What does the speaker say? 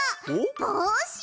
ぼうし！